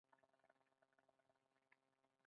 کله بیرته راکوئ؟